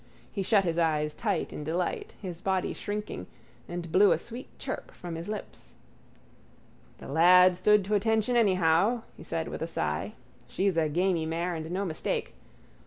He shut his eyes tight in delight, his body shrinking, and blew a sweet chirp from his lips. —The lad stood to attention anyhow, he said with a sigh. She's a gamey mare and no mistake.